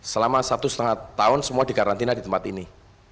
selama satu setengah tahun semua dikarantina di tempat ini